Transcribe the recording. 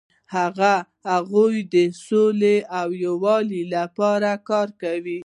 هغوی د سولې او یووالي لپاره کار کاوه.